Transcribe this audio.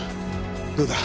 どうだ？